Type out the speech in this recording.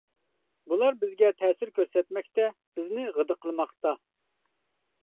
بۇلار بىزگە تەسىر كۆرسەتمەكتە، بىزنى غىدىقلىماقتا.